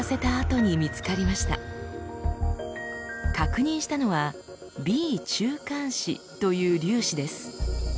確認したのは「Ｂ中間子」という粒子です。